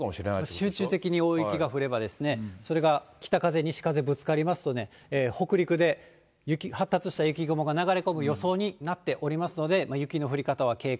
集中的に大雪が降ればですね、それが北風、西風ぶつかりますとね、北陸で雪、発達した雪雲が流れ込む予想になっておりますので、雪の降り方は警戒。